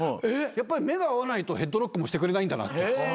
やっぱり目が合わないとヘッドロックもしてくれないんだな。